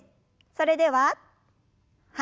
それでははい。